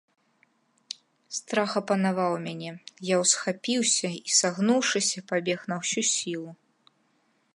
Страх апанаваў мяне, я ўсхапіўся і, сагнуўшыся, пабег на ўсю сілу.